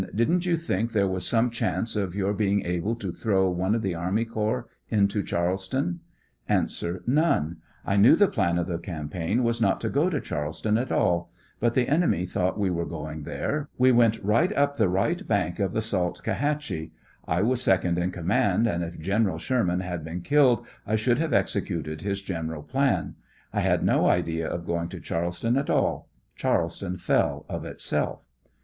Didn't you think there was some chance of your being able to throw one of the army corps into Charles ton? 58 A. ]!^one; I knew the plan of the campaign was not to go to Charleston at all, but the enemy thought we were going there, we went right up the right bank of the Saltkahatchee ; I was second in command, and if General Sherman had been killed, I should have executed his general plan ; I had no idea of going to Charleston at all ; Charleston fell of itself.